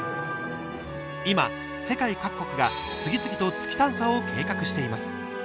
今、世界各国が次々と月探査を計画しています。